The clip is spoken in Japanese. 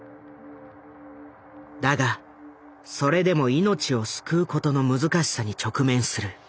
だがそれでも命を救うことの難しさに直面する。